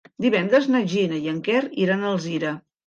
Divendres na Gina i en Quer iran a Alzira.